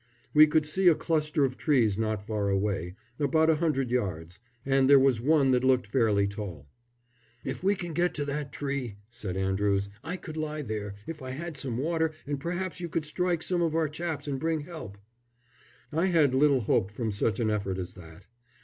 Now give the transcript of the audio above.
We could see a cluster of trees not far away, about a hundred yards, and there was one that looked fairly tall. "If we can get to that tree," said Andrews, "I could lie there, if I had some water, and perhaps you could strike some of our chaps and bring help." I had little hope from such an effort as that.